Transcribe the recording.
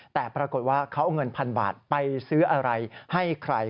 แต่ปรากฏว่าเขาเอาเงินพันบาทไปซื้ออะไรให้ใคร